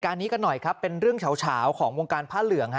นี้กันหน่อยครับเป็นเรื่องเฉาของวงการผ้าเหลือง